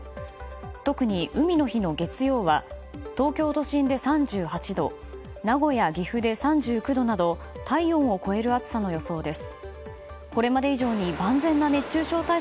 特に、海の日の月曜は東京都心で３８度名古屋、岐阜で３９度など体温を超える暑さの予想です。